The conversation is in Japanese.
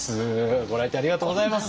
ご来店ありがとうございます。